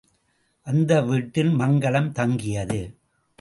அந்த வீட்டில் மங்கலம் தங்கியது.